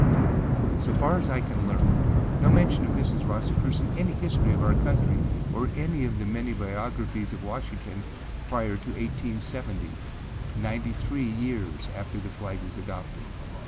So far as I can learn, no mention of Mrs. Ross occurs in any history of our country or in any of the many biographies of Washington, prior to 1870, ninety three years after the flag was adopted.